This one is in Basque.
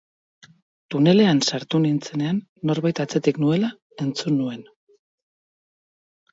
Tunelean sartu nintzenean norbait atzetik nuela entzun nuen.